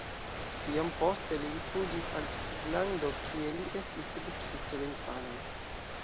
Iom poste li rifuĝis al Svislando, kie li estis edukisto de infanoj.